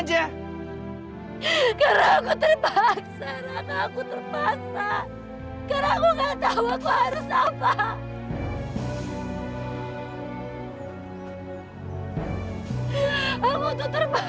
sampai jumpa di video selanjutnya